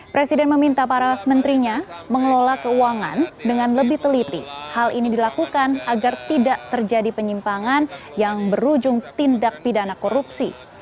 presiden meminta para menterinya mengelola keuangan dengan lebih teliti hal ini dilakukan agar tidak terjadi penyimpangan yang berujung tindak pidana korupsi